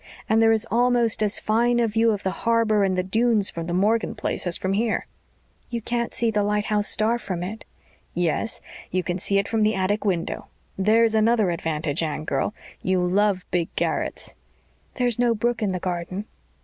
And there is almost as fine a view of the harbor and the dunes from the Morgan place as from here." "You can't see the lighthouse star from it." "Yes, You can see it from the attic window. THERE'S another advantage, Anne girl you love big garrets." "There's no brook in the garden."